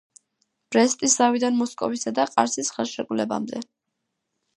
ბრესტის ზავიდან მოსკოვისა და ყარსის ხელშეკრულებებამდე.